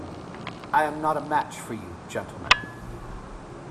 I am not a match for you, gentlemen.